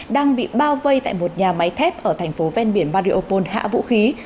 đang bị bao vây tại một nhà máy thép ở thành phố ven biển mariopol hạ vũ khí